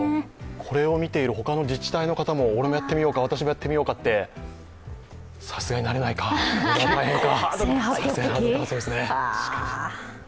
これを見ている他の自治体の方も俺もやってみようか、私もやってみようかってさすがにならないか、大変か。